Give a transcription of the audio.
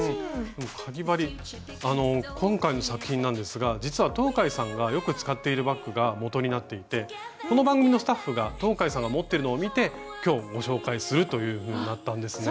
今回の作品なんですが実は東海さんがよく使っているバッグがもとになっていてこの番組のスタッフが東海さんが持っているのを見て今日ご紹介するというふうになったんですね。